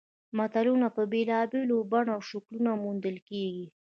متلونه په بېلابېلو بڼو او شکلونو موندل کیږي